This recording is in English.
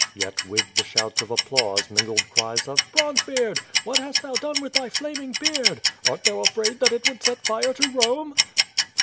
Yet with the shouts of applause min gled cries of "Bronzebeard! what hast thou done with thy flaming beard? Art thou afraid that it would set fire to Rome?"